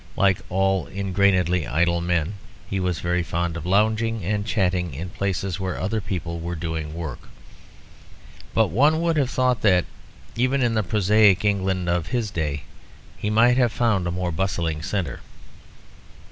Like all ingrainedly idle men, he was very fond of lounging and chatting in places where other people were doing work. But one would have thought that, even in the prosaic England of his day, he might have found a more bustling centre.